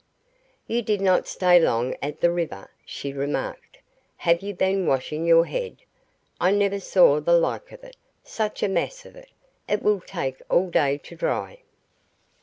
"You did not stay long at the river," she remarked. "Have you been washing your head? I never saw the like of it. Such a mass of it. It will take all day to dry."